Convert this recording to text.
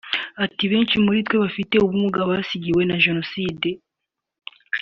Ati “Abenshi muri twe bafite ubumuga basigiwe na Jenoside